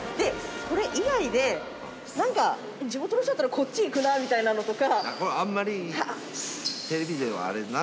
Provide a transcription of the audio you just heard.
これ以外で何か地元の人だったらこっち行くなみたいなのとか。